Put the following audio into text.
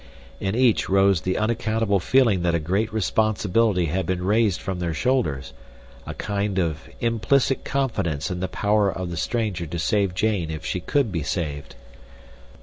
In each rose the unaccountable feeling that a great responsibility had been raised from their shoulders; a kind of implicit confidence in the power of the stranger to save Jane if she could be saved.